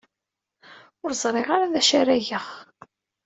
Ur ẓriɣ ara d acu ara geɣ.